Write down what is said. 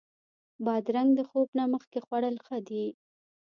بادرنګ د خوب نه مخکې خوړل ښه دي.